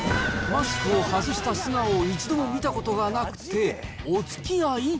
マスクを外した素顔を一度も見たことがなくておつきあい。